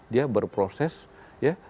dia berproses ya